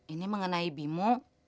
ini mengenai bimbo